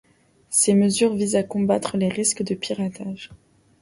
Ces mesures visent à combattre les risques de piratage.